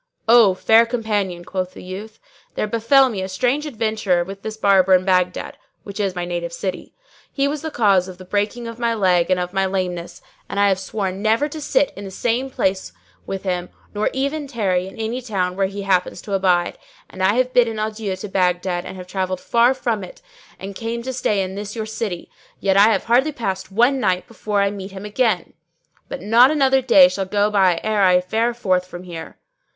"O fair company," quoth the youth, "there befell me a strange adventure with this Barber in Baghdad (which is my native city); he was the cause of the breaking of my leg and of my lameness, and I have sworn never to sit in the same place with him, nor even tarry in any town where he happens to abide; and I have bidden adieu to Baghdad and travelled far from it and came to stay in this your city; yet I have hardly passed one night before I meet him again. But not another day shall go by ere I fare forth from here."